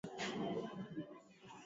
Gavana wa Mombasa amepata mrithi wake.